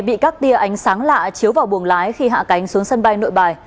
bị các tia ánh sáng lạ chiếu vào buồng lái khi hạ cánh xuống sân bay nội bài